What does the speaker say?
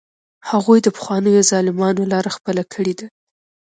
هغوی د پخوانیو ظالمانو لاره خپله کړې ده.